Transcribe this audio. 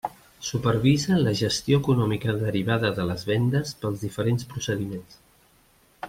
Supervisa la gestió econòmica derivada de les vendes pels diferents procediments.